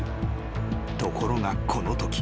［ところがこのとき］